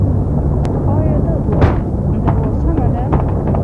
ایا دا دوا سمه ده؟